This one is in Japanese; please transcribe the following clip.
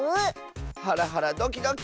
ハラハラドキドキ！